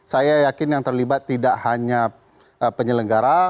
saya yakin yang terlibat tidak hanya penyelenggara